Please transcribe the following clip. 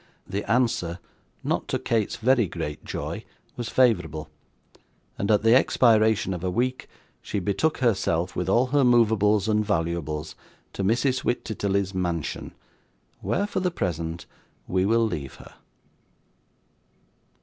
The answer not to Kate's very great joy was favourable; and at the expiration of a week she betook herself, with all her movables and valuables, to Mrs. Wititterly's mansion, where for the present we will leave her.